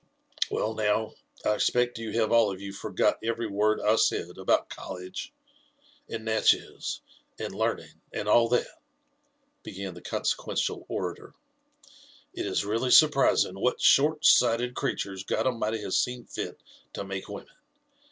Well, now, I expect you have all of you forgot every word I said about college, and Natchez, and learning, and all that?*' began the con sequential orator. '' It is really surprising what shortsighted creatures Godamighty has seen fit to make women